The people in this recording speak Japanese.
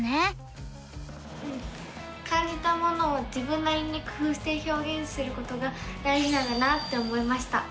うん感じたものを自分なりに工ふうしてひょうげんすることが大じなんだなって思いました！